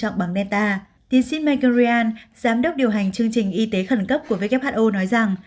các nhà khoa học bằng delta tiến sĩ michael ryan giám đốc điều hành chương trình y tế khẩn cấp của who nói rằng